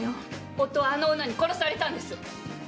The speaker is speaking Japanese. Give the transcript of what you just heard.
夫はあの女に殺されたんです。